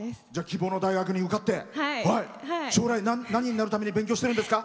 希望の大学に受かって将来、何になるために勉強してるんですか？